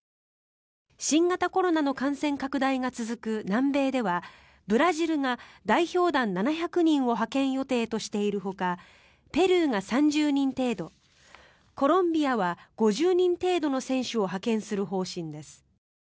新型コロナの感染拡大が続く南米ではブラジルが代表団７００人を派遣予定としているほかペルーが３０人程度コロンビアは５０人程度の選手を派遣する方針です。